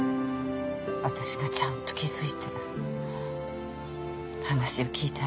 私がちゃんと気付いて話を聞いてあげてれば。